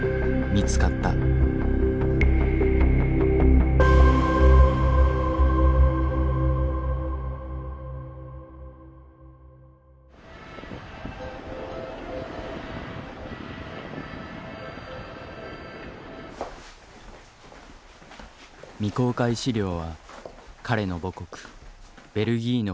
未公開資料は彼の母国ベルギーの国立公文書館に眠っていた。